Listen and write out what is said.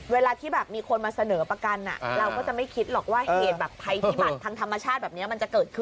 เวลาที่แบบมีคนมาเสนอประกันเราก็จะไม่คิดหรอกว่าเหตุแบบภัยพิบัติทางธรรมชาติแบบนี้มันจะเกิดขึ้น